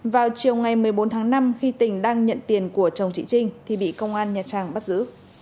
vào chiều ngày một mươi bốn tháng năm khi tình đang nhận tiền của chồng chị trinh thì bị công an nhà trang bắt giữ